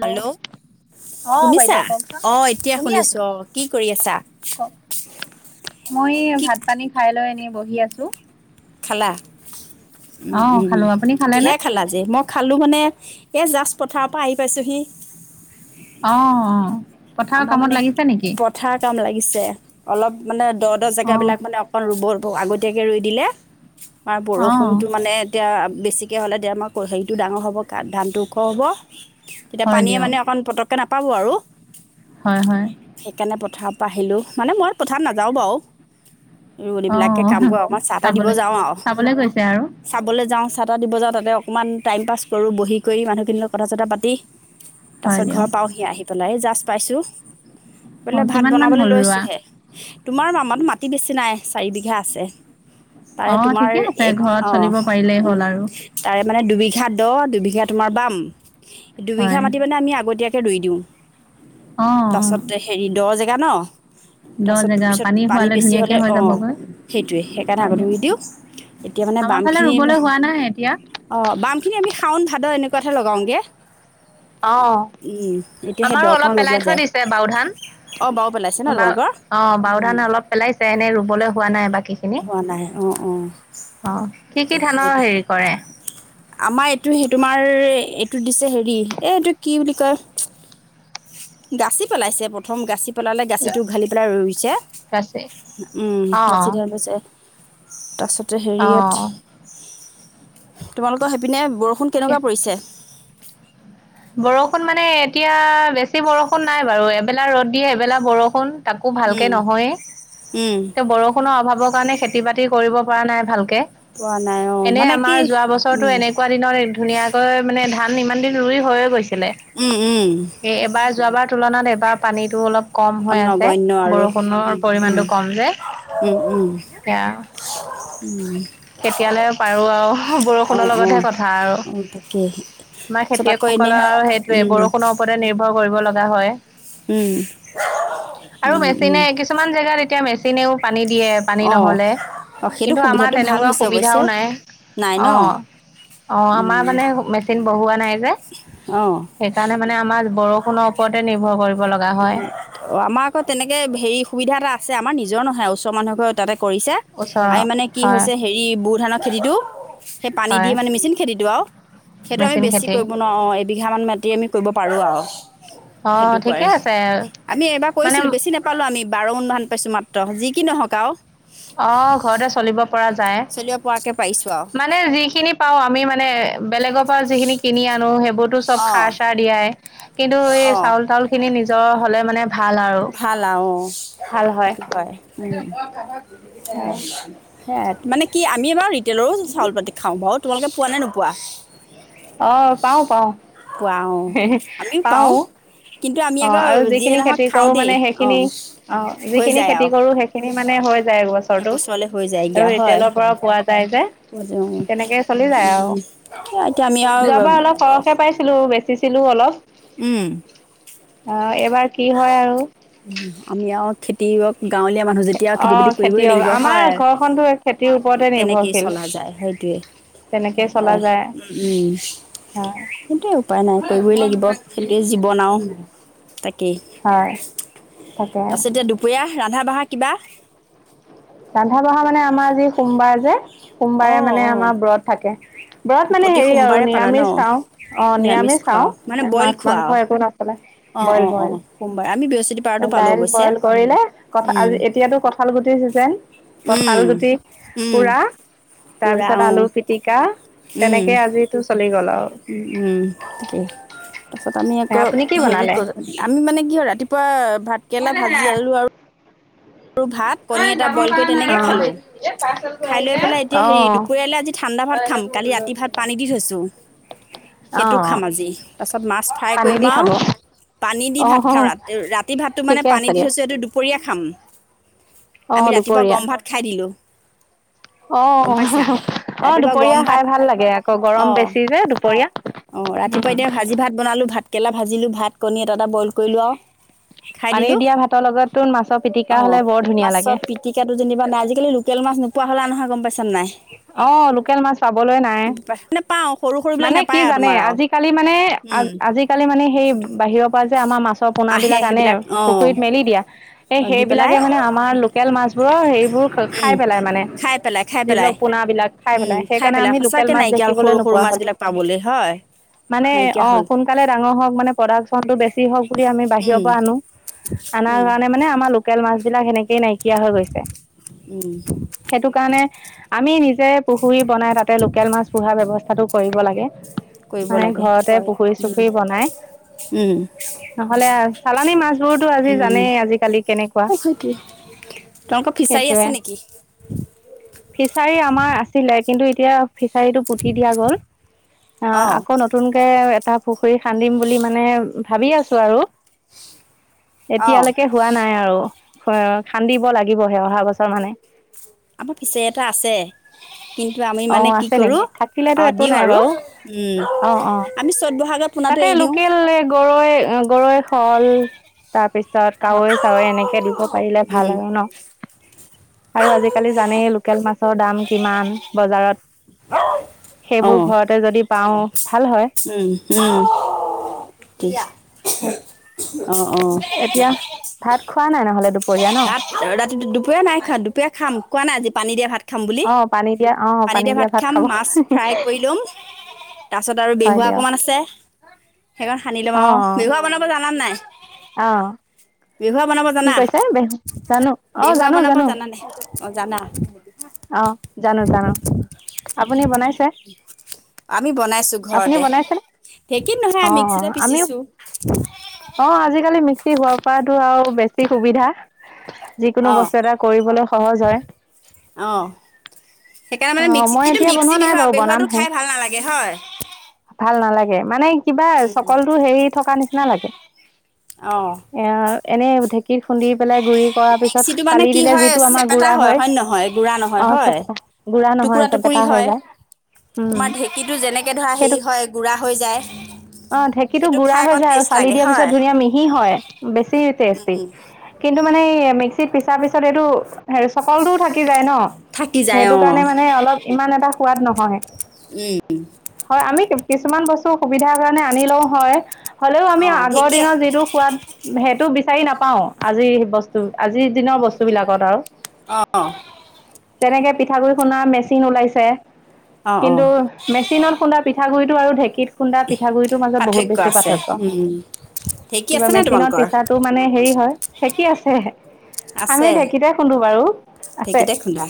Hello অঁ শুনিছা? বাইদেউ কওকচোন অঁ, এতিয়া শুনি শুনিছো আছোঁ অঁ কি কৰি আছা কওক মই কি। ভাত পানী খাই লৈ এনেই বহি আছো। খালা। উম উম খালো আপুনি খালেনে কিহে খালা যে মই। খালোঁ মানে, এয়া জাষ্ট পথাৰৰ পৰা আহি পাইছোঁহি। অঁ অঁ, পথাৰৰ কামত মানে লাগিছে নেকি? পথাৰ কাম অলপ মানে দ দ অঁ জেগাবিলাক মানে অকণ ৰুব আগতীয়াকে ৰোই দিলে আৰু অঁ বৰষুণতটো মানে এতিয়া বেছিকে হ'লে দে আমাৰ হেৰিটো ডাঙৰ হ'ব ধানটো ওখ হ'ব তেতিয়া হয় পানীয়ে দিয়ক মানে অকণ পতক নাপাই । নাপাব আৰু। হয়, হয়। সেইকাৰণে পথাৰৰ পৰা আহিলোঁ, মানে মই পথাৰত নাযাওঁ বাৰু। ৰুৱণী বিলাকে অঁ কাম কৰে অকমান চাহ-তাহ দিব চাবলৈ যাওঁ আৰু, চাবলৈ গৈছে আৰু চাবলৈ যাওঁ চাহ-তাহ দিব যাওঁ তাত অকমান টাইম পাছ কৰোঁ। বহি কৰি মানুহখিনিৰ লগত কথা চথা পাতি তাৰ হয় পাছত দিয়ক ঘৰ পাওঁ সি আহি পেলাই। এই জাষ্ট পাইছোঁ অঁ বোলে ভাত কিমান মান বনাবলৈ হ'ল ৰোৱা লৈছোহে, তোমাৰ মামা মাটি বেছি নাই, চাৰি বিঘা আছে। তাৰে অঁ তোমাৰ ঠিকে আছে এ ঘৰত অ চলিব পাৰিলেই হ'ল উম, আৰু তাৰে মানে দুবিঘাত দহ দুবিঘা তোমাৰ বাম দুবিঘা হয় মাটি মানে আমি আগতীয়াকে কে ৰুই দিওঁ অঁ অঁ তাছতে হেৰি দহ জেগ গান দ তাৰচত জেগা পিচত পানী হোৱালে বেছি ধুনীয়াকে হলে হৈ অ, যাবগৈ সেইটোয়ে সেইকাৰণে হয় আগত দিয়ক নিদিও, এতিয়া মানে আমাৰ বাম ফালে খিনি, ৰুবলৈ হোৱা নাই এতিয়া অ বাম খিনি আমি শাওন ভাদৰ এনেকুৱাতহে লগাওঁগে। অ সেই আমাৰো দকণ অলপ লগোৱা পেলাই থৈ যায় দিছে বাও ধান। অঁ বাও পেলাইছে ন বা তোমালোকৰ অ বাও ধান অলপ পেলাইছে। এনেই ৰুবলৈ হোৱা নাই বাকীখিনি। হোৱা নাই অঁ অঁ অ, কি কি ধানৰ হেৰি কৰে? আমাৰ এইটো সেই তোমাৰ টো দিছে হেৰি, এ এইটো কি বুলি কয় গাচি পেলাইছে প্ৰথম গাচি পেলালে গাচিটো উঘালি পেলাই ৰুইছে, বাচি উম অ গাছি ধ লৈছে। তাৰপিছত অ হেৰিয়াত তোমালোকৰ সেইপিনে বৰষুণ এতিয়া কেনেকুৱা পৰিছে? [unintelligible] বৰষুণ মানে এতিয়া বেছি বৰষুণ নাই বাৰু। এবেলা ৰ'দ দিয়ে এবেলা বৰষুণ। তাকো ভালকে নহয়েই তেওঁ বৰষুণৰ অভাৱৰ কাৰণে খেতি বাতি কৰিব পৰা নাই ভালকে। পোৱা নাই অঁ এনে মানে আমাৰ কি যোৱা বছৰটো উম এনেকুৱা দিনত ধুনীয়াকৈ মানে ধান ইমান দিন লৈ [unintelligible] হৈয়ে গৈছে। উম উম এবাৰ যোৱাবাৰ তুলনাত এবাৰ পানীতো অলপ কম অকণ হৈ আছে। নগণ্য আৰু বৰষুণৰ উম উম পৰিমাণটো কম যে। উম উম এতিয়া কেতিয়ালে পাৰো আৰু অ বৰষুণৰ অ লগতহে কথা আৰু অ তাকে আমাৰ পিছত খেতিয়ক আকৌ এনে আৰু সেইটোয়ে উম বৰষুণৰ ওপৰতে নিৰ্ভৰ কৰিব লগা লগা হয় উম আৰু উম উম মেচিনে কিছুমান জেগাত এতিয়া মেচি ও পানী দিয়ে পানী অ নহ'লে অ সেইটো কিন্তু আমাৰ সুবিধাটো ভাল তেনেকুৱা হৈছে সুবিধাও অৱশ্যে নাই নাই ন অঁ অঁ আমাৰ উম মানে মেচিন বহোৱা নাই যে অ অ সেইকাৰণে মানে আমাৰ বৰষুণৰ ওপৰতে নিৰ্ভৰ কৰিব লগা হয়। অ আমাৰ আকৌ তেনেকে হেৰি সুবিধা এটা আছে আমাৰ নিজ নিজৰ নহয় ওচৰ মানুহ এঘৰ তাতে কৰিছে ওচৰৰ আমি মানে কি হয়, হৈছে হেৰি বুৰ ধানৰ খেতিটো সেই পানী দি হয় মানে মেচিন খেতিটো আৰু সেইটো আমি মেচিন বেছি খেতি। কৰিব নোৱাৰোঁ অঁ এবিঘামান মাটি আমি কৰিব পাৰোঁ আৰু অ সেইটো ঠিক কৰে আমি এবাৰ কৰিছিলো বেছি নাপালো আমি বাৰ মুন মান পাছ ছো মাত্ৰ যি কি নহওক আৰু অ ঘৰতে চলিব পৰা যায় চলিব পৰাকৈ পাৰিছোঁ আৰু মানে যিখিনি পাও আমি মানে বেলেগৰ পৰা যিখিনি কিনি আনো সেইবোৰ টো চব খা অ', চা দিয়া কিন্তু এই অ', চাউল তাউল খিনি নিজ হ'লে মানে ভাল আৰু। ভাল আৰু ভাল সেইটো হয় উম আহ সেয়াই মানে কি আমি আমাৰ ৰিতেলৰো চাউল পাটি খওঁ তুমালোকে পোৱা নে নোপোৱা? অ পাও পাও পোৱা অ', আমিও পাও পাওঁ কিন্তু আমি অ আকৌ আৰু যিয়ে যিখিনি নহওক খেতি খাওঁ কৰো দেই মানে সেইখিনি অ', অ হৈ যিখিনি যায় খেতি আৰু কৰো সেইখিনি মানে হৈ যায় এবছৰটো আৰু ৰিতেলৰ পৰা পোৱা যায় যে চলি যায় উম উম যোৱাৰ পৰা অলপ সৰহে পাইছিলো বেচিছিলো অলপ। উম অ এইবাৰ কি হয় আৰু। উ আমি আৰু খেতিক গাঁৱলীয়া মানুহ যেতিয়া আৰু খেতি বাতি অ', কৰিবই খেতিয়ক লাগিব আমাৰ হয় ঘৰখনতো খেতিৰ ওপৰতে তেনেকেই নিৰ্ভৰশীল চলা যায় সেইটোৱে তেনেকেই স চলা যায় উম হয়। সেইটোৱে উপায় নাই কৰিবই লাগিব সেইটোৱে জীৱন আৰুও তাকেই হয় তাকে তাৰপিছত এতিয়া দুপৰীয়া ৰান্ধা বঢ়া কিবা। ৰন্ধা বঢ়া মানে আমাৰ আজি সোমবাৰ যে। অঁ সোমবাৰে মানে অঁ আমাৰ ব্ৰত থাকে ব্ৰত মানে প্ৰতি হেৰি আৰু সোমবাৰে পালা ন নিৰামিষ চাওঁ অ নিৰামিষ খোৱা মানে চাওঁ বইল মাছ খোৱা আৰু মাংস একো নচলে। অঁ বইল অঁ অঁ বইল সোমবাৰে আমি বৃহস্পতিবাৰতো পালোঁ দাইল অৱশ্যে বইল কৰিলে আজি এতিয়াতো কঁঠাল গুটিৰ চিজন। কঁঠাল গুটি পোৰা পূৰা তাৰপিছত অঁ আলু পিটিকা। তেনেকে আজিতো চলি গ'ল আৰু। উ উম তাকেই তাৰপিছত আমি আকৌ আপুনি কি হেৰি বনালে? কৰো আমি মানে কি হয় ৰাতিপুৱা ভাত কেৰেলা ভাজি আলু আৰু আৰু ভাত কণী এটা বইল কৰি তেনেকে খালো খাই লৈ পেলাই এতিয়া হেৰি অ', অ', দুপৰীয়ালৈ আজি ঠাণ্ডা ভাত খাম কালি ৰাতি ভাত পানী দি থৈছো সেইটো অ', খাম আজি তাৰপাছত মাছ ফ্ৰাই পানী কৰিম দি আৰু খাব পানী দি ভাত খাওঁ অ', ৰাতি ৰাতি ভাতটো মানে ঠিকে পানী আছে দি দিয়ক থৈছো সেইটো দুপৰীয়া। খাম অ', আমি ৰাতিপুৱা দুপৰীয়া গৰম ভাত খাই দিলো। অ আহ ৰাতিপুৱা গৰম দুপৰীয়া ভাত খাই ভাল লাগে আকৌ গৰম অঁ বেছি যে দুপৰীয়া। অঁ ৰাতিপুৱা এতিয়া ভাজি ভাত বনালোঁ ভাতকেৰেলা ভাজিলোঁ ভাত কণী এটা এটা বইল কৰিলোঁ আৰু। পানী দিয়া ভাতৰ লগতো মাছৰ পিটিকা অ হ'লে বৰ ধুনীয়া লাগে মাছত পিটিকাটো যেনিবা। মান আজিকালি লোকেল মাছ‌ নোপোৱা হ'লা নহয় গম পাইছা নাই। অ', লোকেল মাছ পাবলৈ নাই। প নে পাও মানে কি জানে আজিকালি মানে আজিকালি মানে সেই বাহিৰৰ পৰা। আমাৰ মাছ আহে পোনাবিলাক আনে সেইবিলাক অঁ পুখুৰীত মেলি দিয়া এই দি পেলাই সেইবিলাকে মানে আমাৰ লোকেল মাছ। অ সেই খাই পেলাই মানে খাই পেলাই খাই যিবিলাক পেলাই পোনাবিলাক খাই উম পেলাই খাই সেইকাৰণে পেলাই আমি লোকেল সঁচাকে মাছ নাইকিয়া দেখিবলৈ হ'ল সৰু নাপাওঁ। সৰু মাছ বিলাক পাবলৈ হয় মানে নাইকিয়া অ হ'ল সোনকালে ডাঙৰ হওক মানে প্ৰডাকশ্যনটো বেছি হওক বুলি আমি বাহিৰৰ উম পৰা আনো আনাৰ উম কাৰণে মানে আমাৰ লোকেল মাছ। বিলাক এনেকেই নাইকিয়া হৈ গৈছে উম সেইটো কাৰণে আমি নিজে পুখুৰী বনাই তাতে লোকেল মাছ পোহাৰ ব্যৱস্থা কৰিব লাগে । কৰিব মানে লাগে সেইটো ঘৰতে হয় পুখুৰী চুখুৰী বনাই উম নহলে চালানী মাছ বোৰতো আজি উম জানেই আজিকালি কেনেকুৱা অ সেইটোৱে তোমালোকৰ ফিচাৰী আছে সেইটোৱে নেকি ফিচাৰী আমাৰ আছিলে। কিন্তু এতিয়া ফিচাৰীটো হৈ গল অ আকৌ নতুনকে এটা পুখুৰী খান্দিম বুলি মানে ভাবি আছো আৰু অ এতিয়ালৈকে হোৱা নাই আৰু খান্দিব লাগিবহে অহা বছৰ মানে আমাৰ ফিচাৰী এটা আছে কিন্তু আমি অ মানে কি আছে নেকি কৰোঁ থাকিলেতো অ একো দিওঁ নাই আৰু বাৰু উম অ অ আমি চ'ত বহাগত পোনাটো তাতে এৰি দিওঁ লোকেল গৰৈ গৰৈ শল তাৰপিছত। ত অ উম কাৱৈ চাৱৈ এনেকে দিব পাৰিলে ভাল আৰু ন। আৰু আজিকালি জানেই লোকেল মাছ মাছৰ দাম কিমান? বজাৰত অ সেইবোৰ ঘৰতে যদি পাওঁ ভাল হয় উম উম কিছ এতিয়া ভাত খোৱা নাই নহলে তু ভাত ৰাতিটো দুপৰীয়া নাই খা দুপৰীয়া খাম খোৱা নাই পান দিয়া ভাত খাম বুলি আহ পানী দিয়া অ পানী দিয়া ভাত খাব তাৰপিছত আৰু হয় বেহুৱা দিয়ক অকণমান আছে সেইকাৰণে, সানি লম অ আৰু বিহুৱা অ বনাব জানাত নাই, অ বিহুৱ বনাব কি জানা, কৈছে বেহু জানো অ বেহুৱা জানো বনাব জানো জানানে অ জানা অ জানো জানো আপুনি বনাইছে? আমি বনাইছো আপুনি ঘৰতে বনাইছেনে সেই, কি অ নহয় মিক্সিটা আমিও পিচিছো। অ আজিকালি মিক্সি হোৱাৰ পৰাতো আৰু বেছি সুবিধা, যিকোনো অঁ বস্তু এটা কৰিবলৈ সহজ হয় অঁ সেইকাৰণে মানে অ মিক্সি মই কিন্তু এতিয়া বনোৱা মিক্সি নাই বেহ বাৰু বেহুৱটো বনামহে খাই ভাল নালাগে হয় গে মানে। কিবা চকলটো হেৰি থকা নিচিনা। নালাগে। অহ এনেই ঢে কি খুন্দি পেলাই গুৰি কৰাৰ পিছত মিক্সিটো মানে চালি কি দিলে হয় যিটো আমাৰ চেপেটা গুৰা হয় নহয় গুড়া অ নহয় হয় চেপেটা গোড়া নহয় টুকুৰা আছে চেপেটা টুকুৰি হৈ হয় যায়, উম তোমাৰ ঢেঁকীটো যেনেকে ধৰা সেইটো হেৰি হয় গুড়া হৈ যায় অ ঢেঁকীটো সেইটো গুড়া খাই হৈ অকণ যায় আৰু টেষ্ট চালি লাগে দিয়াৰ পিছত হয় ধুনীয়া মিহি হয় বেছি টেষ্টি। কিন্তু মানে এই মিক্সিত পিছাৰ পিছত এইটো হে চকলটোও থাকি যায় ন। থাকি যায় অ। সেইটো কাৰণে মানে অলপ ইমান এটা খুৱাদ নহয় উম হয় আমি কিছুমান বস্তু সুবিধাৰ কাৰণে আনিলও হয় হ'লেও আমি অঁ আগৰ ঢেঁকী দিনৰ যিটো সোৱাদ সেইটো বিচাৰি নাপাও আজিৰ বস্তু আজিৰ দিনৰ বস্তু বিলাকত আৰু। অ তেনেকে পিঠাগুড়ি খুনা মেচিন ওলাইছে। অঁ কিন্তু অঁ মেচিনত খুন্দা পিঠাগুড়ি টো আৰু ঢেঁকীত খুন্দা পিঠাগুড়িটোৰ মাজত বহুত পাৰ্থক্য বেছি আছে পাৰ্থক্য, ঢেঁকী কিবা আছে নাই মেচিনত তোমালোকৰ পিছাটো মানে হেৰি হয় ঢেকী আছে। আমি ঢেঁকীতেই খুন্দো বাৰু। আছে ঢেঁকীতেই খুন্দা?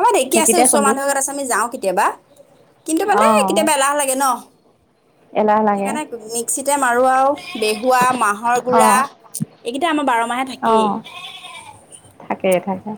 আমাৰ ঢেকী আছে ঢেঁকীতে ওচৰ খুন্দো মানুহৰ এঘত আছে আমি যাও কেতিয়াবা কিন্তু মানে অঁ কেতিয়াবা এলাহ লাগে ন। এলাহ লাগে সেইকাৰণে মিক্সিতে মাৰো আৰু বেহুৱা, মাহৰ গুৰা অঁ এইকেইটা আমাৰ বাৰম সোমাই অঁ থাকেই। থাকে থাকে।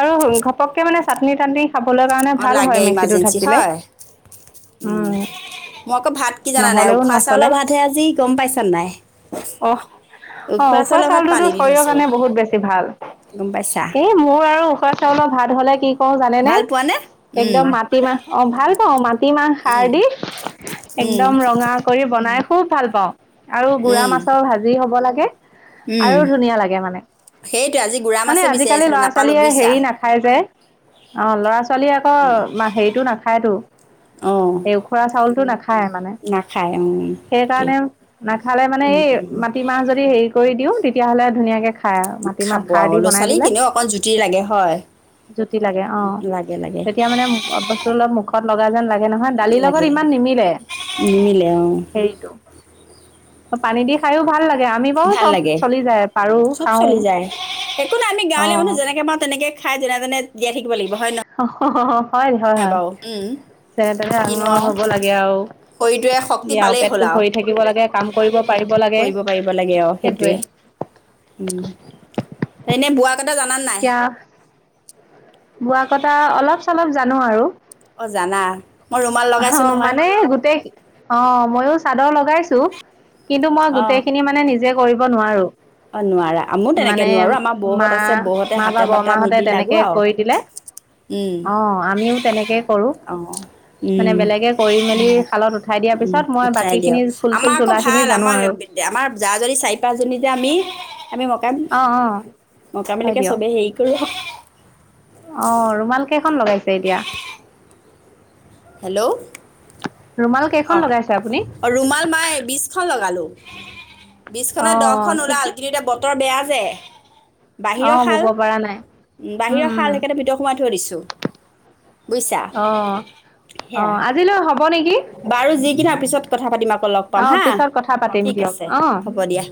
আৰু ঘপককে মানে চাটনি তাতনি অ লাগে ইমাৰ্জেঞ্চি হয় উ উম মই আকৌ ভাত কি জানা নাই নহ'লেও উখোৱা নচলে চাউলৰ ভাতহে আজি গম পাইছা নাই অঁ অঁ উখোৱা চাউলৰ ভাত চাউলটোতো পানী দি শৰীৰৰ থৈছো, কাৰণে বহুত বেছি গম পাইছা? উখৰা চাউলৰ ভাত হ'লে কি কও জানেনে ভাল পোৱানে? উম, একদম মাটিমা অ ভাল পাওঁ মাটিমা ষাৰ উম, দি উম, একদম ৰঙা কৰি বনাই খুব ভাল পাওঁ। আৰু গুড়া উম, মাছৰ ভাজি হব লাগে আৰু উম ধুনীয়া লাগে মানে। সেইটো আজি গুড়া মানে মাছে বিচাৰি আজিকালি আছিলো ল'ৰা নাপালো। ছোৱালীয়ে হেৰি নাখায় যে অ ল'ৰা ছোৱালীয়ে আকৌ হেৰিটো নাখায়তো অ', এই উখুৰা চাউলটো নাখায় মানে নাখায় উম, সেইটোৱে। সেইকাৰণে নাখালে মানে উম, এই উম, মাটিমাহ যদি হেই কৰি দিওঁ তেতিয়াহ'লে ধুনীয়াকে খাই মাটিমাহ খাব খাৰ আও দি ল'ৰা বনাই ছোৱালীক দিলে এনেও অকল জু জুতি লাগে অ লাগে লাগে তেতিয়া মানে বস্তু অলপ মু খত লগা যেন লাগে গে নহয় দালিৰ লগত লাগে ইমান নিমিলে নিমিলে অ', হেৰিটো পানী দি খাইয়ো ভাল লা গে আমি বাৰও ভাল চব লাগে চলি যায় পাৰো চব খাও চলি যায়। একো নাই আমি অ গাঁৱলীয়া মানুহ যেনেকে পাওঁ তেনেকে খাই যেনোজনে জীয়াই থাকিব লাগিব হয় ন হ হ হ হয় হয় হয় তেনে তেনে কিনো ডাঙৰ আৰু হ'ব লাগে আৰু শৰীৰটোৱে শক্তি ই আৰু পালেই হ'ল পেটটো ভৰি থাকিব লাগে কাম কৰিব পাৰিব লাগে কৰিব পাৰিব লাগে আৰু সেইটোৱে তহঁতে জানা নাই এতিয়া বোৱা কথা অলপ চলপ জানো আৰু অ জানা মই ৰুমাল অ লগাইছো নহয় মানে গোটেই অ মইয়ো চাদৰ লগাইছো কিন্তু মই অ গোটেই খিনি মানে নিজে কৰিব নোৱাৰো অ নোৱাৰা আমো তেনেকে মানে নোৱাৰো আমাৰ মা বৌহত আছে বৌহতে মা বা হাতে বটা বৰমাহঁতে মিলি তেনেকে লাগো আৰু কৰি দিলে উম অঁ আমিও তেনেকৈ কৰোঁ অ মানে উম বেলেগে কৰি মেলি খালত উম উঠাই দিয়ক আমাক আকৌ তোলাখিনি ভাল জানো আমাৰ আৰু আমাৰ যাৰ যদি চাৰি পাঁচ জনী যে আমি আমি মক অঁ অঁ মকাবিলাকে চবেই হেৰি কৰোঁ আহ ৰুমাল কেইখন লগাইছে এতিয়া হেল্ল' অ ৰুমাল কেইখন লগাইছে আপুনি অ ৰুমাল মাই বিশখন লগালোঁ [unintelligible] বিশ খনে অঁ দহখন ওলাল ঠিকেই কিন্তু এতিয়া বতৰ বেয়া যে বাহিৰৰ অঁ খাল বব পৰা নাই উম বাহিৰৰ শাল উম সেইকাৰণে ভিতৰত সোমাই থৈ দিছোঁ বুজিছা অ আজিলৈ হ'ব নেকি যিকিতা পিছ কথা পাতিম লগ পাম অঁ হা পিছত কথা পাতিম ঠিক দিয়ক আছে অঁ হ'ব দিয়া